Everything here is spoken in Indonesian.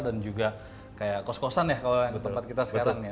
dan juga kayak kos kosan ya kalau tempat kita sekarang ya